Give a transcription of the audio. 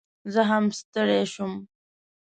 زه هم ستړي شوم